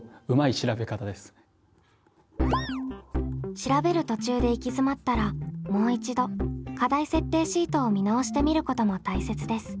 調べる途中で行き詰まったらもう一度課題設定シートを見直してみることも大切です。